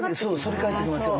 反り返ってきますよね。